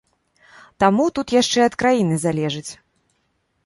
Таму тут яшчэ ад краіны залежыць.